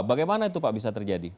bagaimana itu pak bisa terjadi